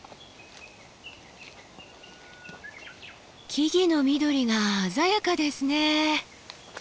木々の緑が鮮やかですね。